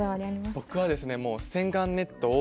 僕はですね